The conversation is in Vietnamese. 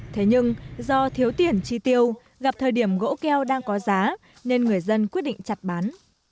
thế nhưng do thiếu tiền chi tiêu gặp thời điểm gỗ keo đang có giá nên người dân quyết định chặt bán